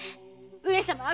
上様。